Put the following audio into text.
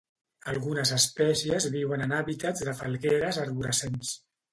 Algunes espècies viuen en hàbitats de falgueres arborescents.